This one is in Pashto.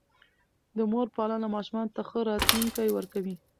د مور پالنه ماشومانو ته ښه راتلونکی ورکوي.